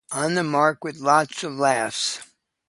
"On the mark with lots of laughs".